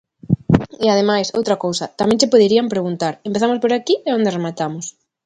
E ademais, outra cousa, tamén che poderían preguntar: Empezamos por aquí e onde rematamos?